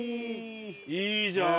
いいじゃん。